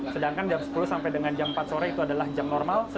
sedangkan jam sepuluh sampai dengan jam empat sore itu adalah jam normal